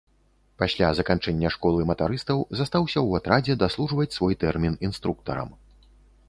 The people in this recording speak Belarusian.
Пасля заканчэння школы матарыстаў застаўся ў атрадзе даслужваць свой тэрмін інструктарам.